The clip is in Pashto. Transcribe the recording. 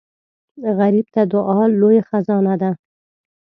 غریب ته دعا لوی خزانه ده